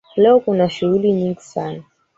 Leo kuna shughuli nyingi sana.